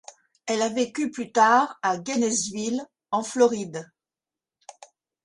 Elle a vécu plus tard à Gainesville, en Floride.